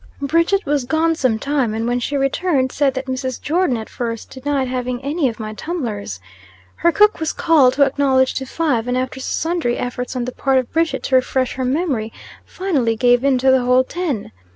Bridget was gone some time, and when she returned, said that Mrs. Jordon at first denied having any of my tumblers. Her cook was called, who acknowledged to five, and, after sundry efforts on the part of Bridget to refresh her memory, finally gave in to the whole ten.